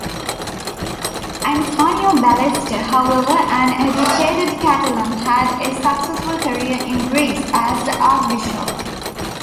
Antonio Ballester, however, an educated Catalan, had a successful career in Greece as archbishop.